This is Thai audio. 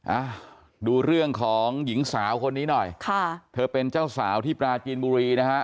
อ่ะดูเรื่องของหญิงสาวคนนี้หน่อยค่ะเธอเป็นเจ้าสาวที่ปราจีนบุรีนะฮะ